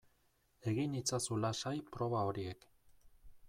Egin itzazu lasai proba horiek